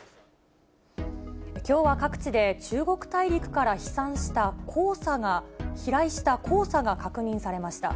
きょうは各地で中国大陸から飛散した黄砂が、飛来した黄砂が確認されました。